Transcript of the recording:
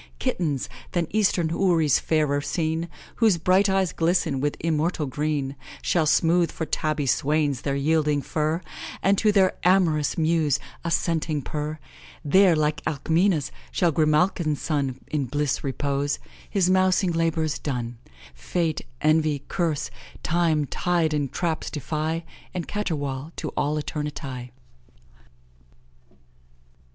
Kittens, than eastern houris fairer seen, Whose bright eyes glisten with immortal green, Shall smooth for tabby swains their yielding fur, And, to their amorous mews, assenting purr; There, like Alcmena's, shall Grimalkin's son In bliss repose, his mousing labours done, Fate, envy, curs, time, tide, and traps defy, And caterwaul to all eternity."